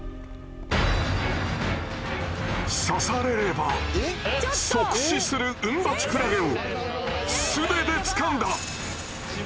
刺されれば即死するウンバチクラゲを素手でつかんだ！